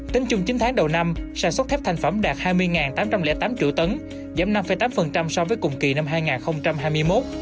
tính chung chín tháng đầu năm sản xuất thép thành phẩm đạt hai mươi tám trăm linh tám triệu tấn giảm năm tám so với cùng kỳ năm hai nghìn hai mươi một